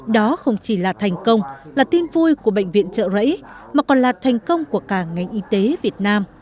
đó không chỉ là thành công là tin vui của bệnh viện trợ rẫy mà còn là thành công của cả ngành y tế việt nam